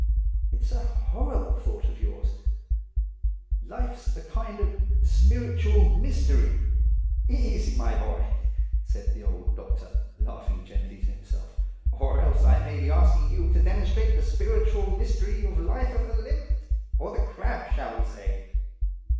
It's a horrible thought of yours. Life's a kind of spiritual mystery —" "Easy, my boy!" said the old doctor, laughing gently to himself. "Or else I may be asking you to demonstrate the spiritual mystery of life of the limpet, or the crab, shall we say."